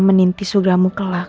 meninti sogramu kelak